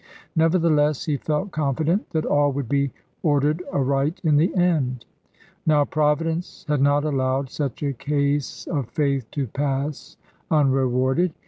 Nevertheless he felt confident that all would be ordered aright in the end. Now Providence had not allowed such a case of faith to pass unrewarded.